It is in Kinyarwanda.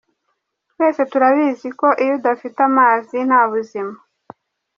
Twese turabizi ko iyo udafite amazi nta buzima.